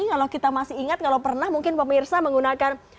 kalau kita masih ingat kalau pernah mungkin pemirsa menggunakan